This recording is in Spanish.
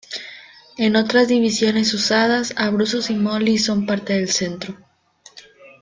En otras divisiones usadas Abruzos y Molise son parte del centro.